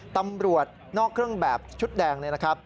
ตำรวจนอกเครื่องแบบชุดแดงเนี่ยนะครับ